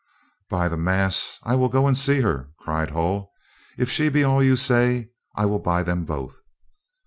"By the mass! I will go and see her," cried Hull. "If she be all you say, I will buy them both."